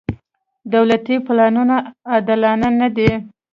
دولتي پلانونه عادلانه نه دي.